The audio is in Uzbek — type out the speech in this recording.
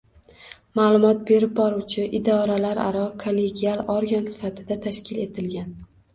ma’lumot berib boruvchi idoralararo kollegial organ sifatida tashkil etilgan.